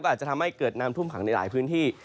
อาจจะทำให้เกิดน้ำท่วมขังในหลายพื้นที่